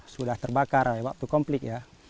sudah terbakar waktu konflik